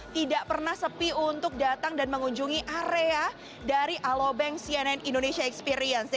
tidak pernah sepi untuk datang dan mengunjungi area dari alobank cnn indonesia experience